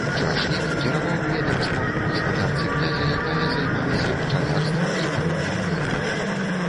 Чашнік кіраваў ведамствам у гаспадарцы князя, якая займалася пчалярствам і варэннем мёду.